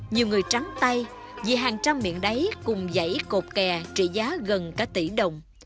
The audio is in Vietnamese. nhiều người trắng tay vì hàng trăm miệng đáy cùng dãy cột kè trị giá gần cả tỷ đồng